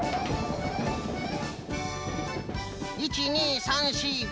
１２３４５。